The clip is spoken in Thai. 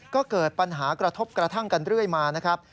ก็เกิดปัญหากระทบกระทั่งกันเรื่อยมานะครับ